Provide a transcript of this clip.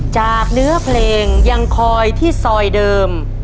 จากเนื้อเพลงยังคอยที่ซอยเดิม